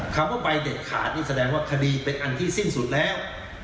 คำว่าใบเด็ดขาดนี่แสดงว่าคดีเป็นอันที่สิ้นสุดแล้ว